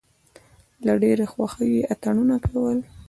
له ډېرې خوښۍ یې اتڼونه کول.